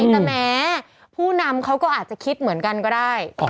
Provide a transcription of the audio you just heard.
แต่แม้ผู้นำเขาก็อาจจะคิดเหมือนกันก็ได้